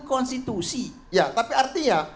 konstitusi ya tapi artinya